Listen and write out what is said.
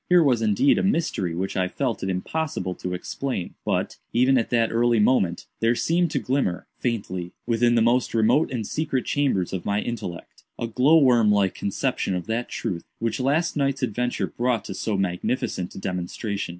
Here was indeed a mystery which I felt it impossible to explain; but, even at that early moment, there seemed to glimmer, faintly, within the most remote and secret chambers of my intellect, a glow worm like conception of that truth which last night's adventure brought to so magnificent a demonstration.